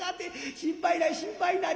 心配ない心配ない。